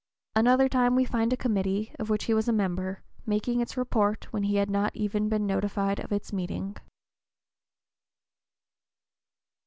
Another time we find a committee, of which he was a member, making its report when he had not even been notified of its meeting.